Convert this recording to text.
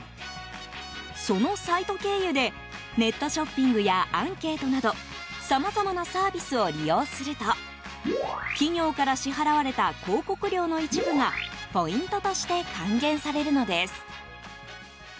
そのサイト経由でネットショッピングやアンケートなどさまざまなサービスを利用すると企業から支払われた広告料の一部がポイントとして還元されるのです。